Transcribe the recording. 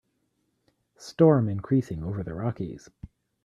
Storm increasing over the Rockies.